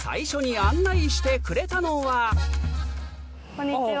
こんにちは。